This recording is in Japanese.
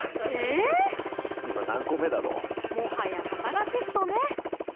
もはや肩書ストね！